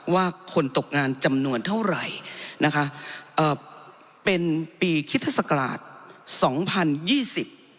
ว่าคนตกงานจำนวนเท่าไหร่นะคะเอ่อเป็นปีคิตศักราชสองพันยี่สิบ